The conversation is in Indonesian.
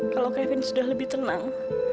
kalau kevin sudah lebih tenang